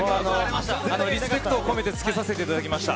リスペクトを込めてつけさせていただきました。